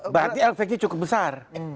berarti efeknya cukup besar